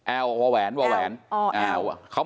แอววาวแหวนวาวแหวนอ๋อแอว